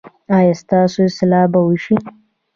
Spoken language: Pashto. ایا ستاسو اصلاح به وشي؟